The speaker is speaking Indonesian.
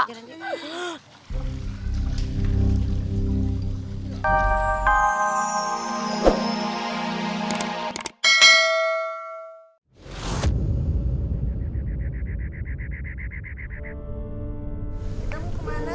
jalan jalan jalan